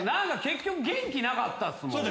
結局元気なかったっすもん。